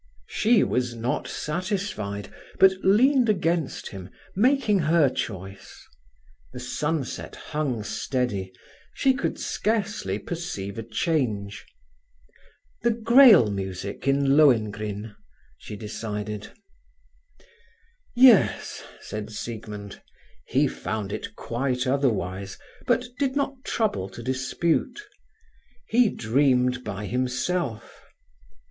She was not satisfied, but leaned against him, making her choice. The sunset hung steady, she could scarcely perceive a change. "The Grail music in Lohengrin," she decided. "Yes," said Siegmund. He found it quite otherwise, but did not trouble to dispute. He dreamed by himself.